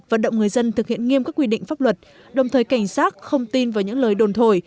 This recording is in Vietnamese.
vận động người dân thực hiện nghiêm các quy định pháp luật đồng thời cảnh sát không tin vào những lời đồn thổi